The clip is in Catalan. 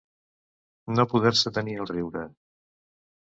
No poder-se tenir el riure.